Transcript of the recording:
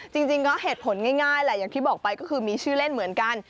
จริงก็เหตุผลง่ายแหละอย่างที่บอกไปก็คือมีชื่อเล่นเหมือนกัน